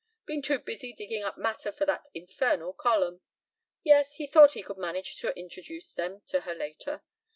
Been too busy digging up matter for that infernal column. Yes, he thought he could manage to introduce them to her later.